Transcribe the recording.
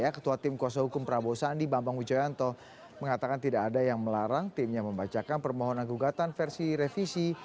ketua tim kuasa hukum prabowo sandi bambang wijayanto mengatakan tidak ada yang melarang timnya membacakan permohonan gugatan versi revisi